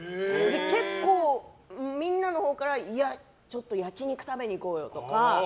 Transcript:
結構、みんなのほうから焼き肉食べに行こうよとか。